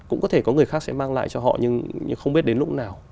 cũng có thể có người khác sẽ mang lại cho họ nhưng không biết đến lúc nào